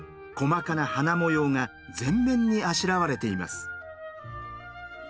細かな花模様が全面にあしらわれています。